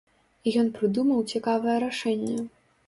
І ён прыдумаў цікавае рашэнне.